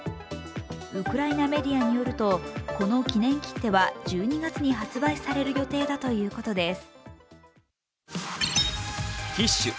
ウクライナメディアによると、この記念切手は、１２月に発売される予定だということです。